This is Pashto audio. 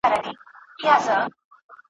سرونه پرې کړي مالونه یوسي ,